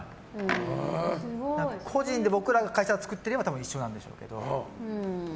個人で僕らが会社を作ってれば一緒なんでしょうけど。